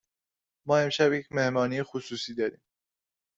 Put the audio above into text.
ما امشب یک مهمانی خصوصی داریم.